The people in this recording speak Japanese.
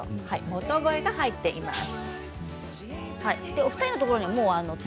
元肥が入っています。